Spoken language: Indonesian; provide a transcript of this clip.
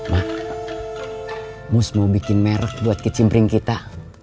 ma mus mau bikin merek buat kecimpring kita